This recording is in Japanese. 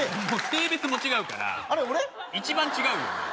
性別も違うから一番違うよね